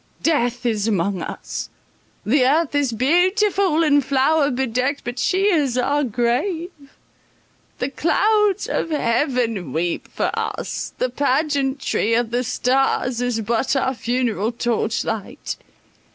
Death is among us! The earth is beautiful and flower bedecked, but she is our grave! The clouds of heaven weep for us—the pageantry of the stars is but our funeral torchlight.